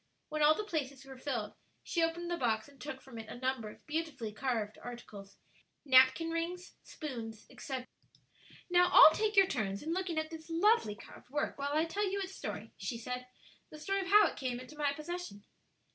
When all the places were filled, she opened the box and took from it a number of beautifully carved articles napkin rings, spoons, etc. "Now, all take your turns in looking at this lovely carved work, while I tell you its story," she said, "the story of how it came into my possession."